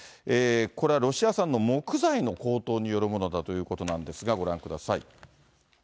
これはロシア産の木材の高騰によるものだということなんですが、ご覧ください。